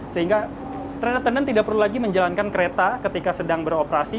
sehingga train attendant tidak perlu lagi menjalankan kereta ketika sedang beroperasi